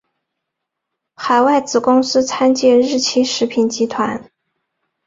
海外子公司参见日清食品集团。